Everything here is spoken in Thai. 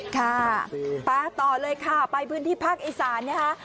ค่ะไปต่อเลยค่ะไปพื้นที่ภาคอีสานนะคะ